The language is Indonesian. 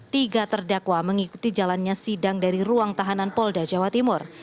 tiga terdakwa mengikuti jalannya sidang dari ruang tahanan polda jawa timur